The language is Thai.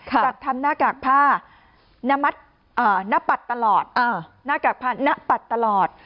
จากทำหน้ากากผ้าหน้าปัดตลอด